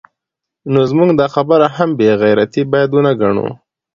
نو زموږ دا خبره هم بې غیرتي باید وګڼو